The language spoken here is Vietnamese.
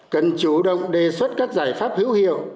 cần chủ động đề xuất các giải pháp hữu hiệu